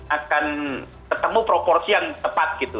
akan ketemu proporsi yang tepat gitu